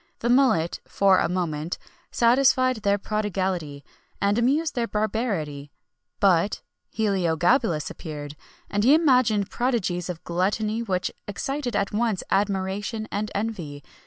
The mullet for a moment satisfied their prodigality, and amused their barbarity; but Heliogabalus appeared, and he imagined prodigies of gluttony which excited at once admiration and envy.